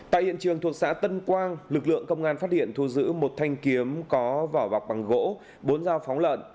tại hiện trường thuộc xã tân quang lực lượng công an phát hiện thu giữ một thanh kiếm có vỏ bọc bằng gỗ bốn dao phóng lợn